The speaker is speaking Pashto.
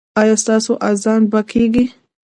ایا ستاسو اذان به کیږي؟